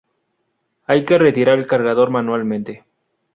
Hay que retirar el cargador manualmente.